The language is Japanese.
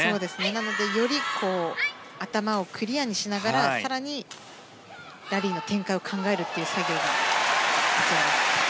なのでより頭をクリアにしながら更にラリーの展開を考えるという作業が。